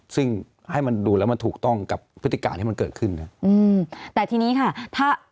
ซึ่งให้มันดูแล้วมันถูกต้องกับพฤติการที่มันเกิดขึ้นนะอืมแต่ทีนี้ค่ะถ้า